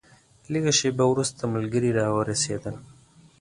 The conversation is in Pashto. لږه شېبه وروسته ملګري راورسېدل.